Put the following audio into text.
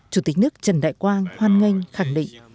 chủ tịch nước trần đại quang hoan nghênh khẳng định